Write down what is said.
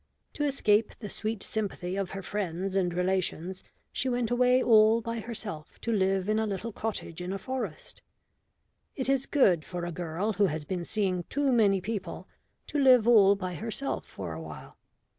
To escape the sweet sympathy of her friends and relations she went away all by herself to live in a little cottage in a forest. It is good for a girl who has been seeing too many people to live all by herself for a while.